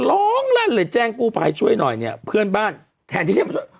ร้องลั่นเลยแจ้งกู้ภัยช่วยหน่อยเนี่ยเพื่อนบ้านแทนที่จะมาช่วย